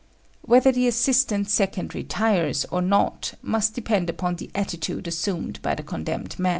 Whether the assistant second retires, or not, must depend upon the attitude assumed by the condemned man.